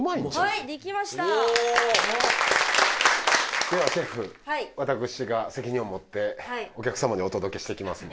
はいできましたではシェフ私が責任を持ってお客様にお届けしてきます